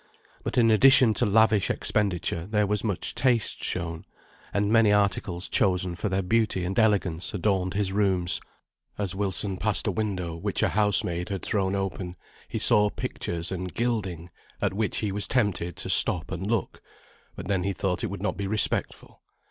But in addition to lavish expenditure, there was much taste shown, and many articles chosen for their beauty and elegance adorned his rooms. As Wilson passed a window which a housemaid had thrown open, he saw pictures and gilding, at which he was tempted to stop and look; but then he thought it would not be respectful.